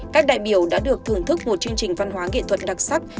các đại biểu đã được thưởng thức một chương trình văn hóa nghệ thuật đặc sắc